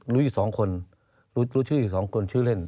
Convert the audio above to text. รู้อยู่สองคนรู้รู้ชื่ออยู่สองคนชื่อเล่นอืม